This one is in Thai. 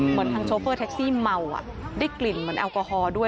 เหมือนทางโชเฟอร์แท็กซี่เมาได้กลิ่นเหมือนแอลกอฮอล์ด้วย